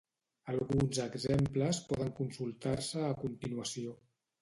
Alguns exemples poden consultar-se a continuació.